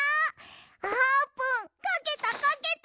あーぷんかけたかけた！